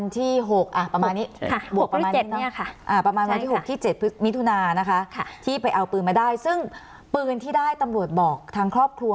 ที่ไปเอาปืนมาได้ซึ่งปืนที่ได้ตำรวจบอกทางครอบครัว